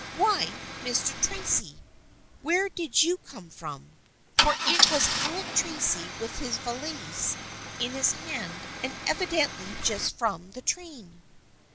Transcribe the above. " Why, Mr. Tracy ! Where did you come from ?" For it was Alec Tracy with his valise in his hand and evidently just from the train.